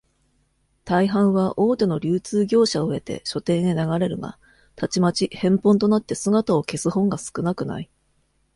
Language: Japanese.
大半は、大手の流通業者をへて、書店へ流れるが、たちまち、返本となって姿を消す本が少なくない。